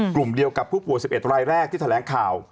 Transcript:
กลุ่มเดียวกับผู้ป่วย๑๑รายแรกที่แถลงข่าว